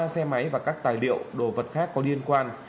ba xe máy và các tài liệu đồ vật khác có liên quan